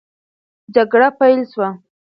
جګړه پیل سوه.